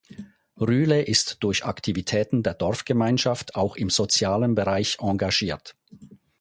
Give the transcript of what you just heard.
Rühle ist durch Aktivitäten der Dorfgemeinschaft auch im sozialen Bereich engagiert.